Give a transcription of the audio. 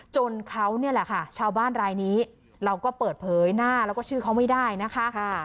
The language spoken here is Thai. จนเขาเนี่ยแหละค่ะชาวบ้านรายนี้เราก็เปิดเผยหน้าแล้วก็ชื่อเขาไม่ได้นะคะ